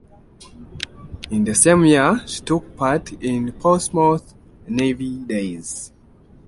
In the same year she took part in Portsmouth 'Navy Days'.